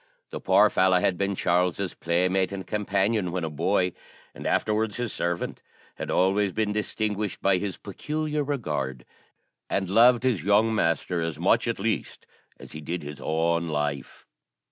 The poor fellow had been Charles's playmate and companion when a boy, and afterwards his servant; had always been distinguished by his peculiar regard, and loved his young master as much, at least, as he did his own life.